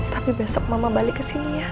tapi besok mama balik ke sini ya